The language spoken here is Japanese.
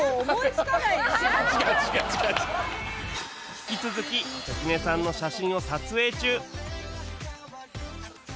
引き続き関根さんの写真を撮影中